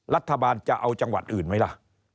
รัฐบาลจะเอาจังหวัดอื่นไหมล่ะ